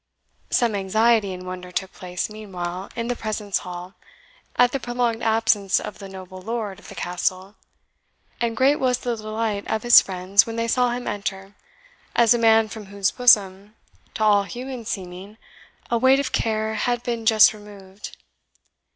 Some anxiety and wonder took place, meanwhile, in the presence hall, at the prolonged absence of the noble Lord of the Castle, and great was the delight of his friends when they saw him enter as a man from whose bosom, to all human seeming, a weight of care had been just removed.